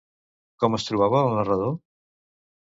Com es trobava el narrador?